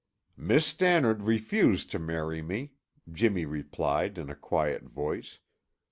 "Miss Stannard refused to marry me," Jimmy replied in a quiet voice.